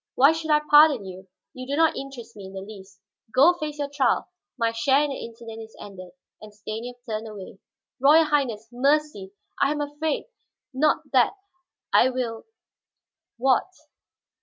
Why should I pardon you? You do not interest me in the least. Go face your trial; my share in the incident is ended," and Stanief turned away. "Royal Highness, mercy I am afraid! Not that I will " "What?"